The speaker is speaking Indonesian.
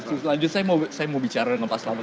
terus lanjut saya mau bicara dengan pak selamet